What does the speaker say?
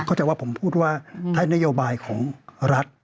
ก็จะว่าผมพูดว่าถ้านโยบายของรัฐ